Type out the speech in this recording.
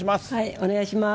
お願いします。